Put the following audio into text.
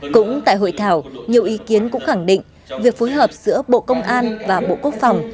cũng tại hội thảo nhiều ý kiến cũng khẳng định việc phối hợp giữa bộ công an và bộ quốc phòng